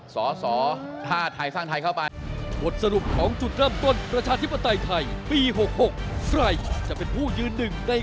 สสท่าไทยสร้างไทยเข้าไป